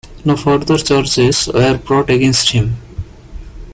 No further charges were brought against him.